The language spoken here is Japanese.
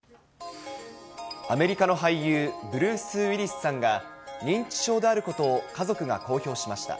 アメリカの俳優、ブルース・ウィリスさんが認知症であることを、家族が公表しました。